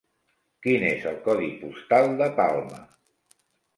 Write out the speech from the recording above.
Quin és el codi postal de Palma?